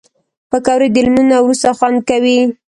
پکورې د لمونځ نه وروسته خوند کوي